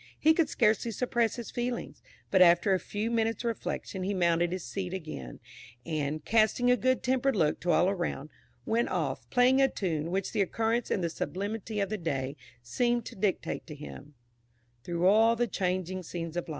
He could scarcely suppress his feelings; but after a few minutes' reflection he mounted his seat again, and, casting a good tempered look to all around him, went off, playing a tune which the occurrence and the sublimity of the day seemed to dictate to him "Through all the changing scenes of life."